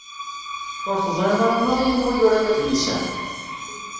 Ur teẓriḍ ara maḍi anwa yuran adlis-a?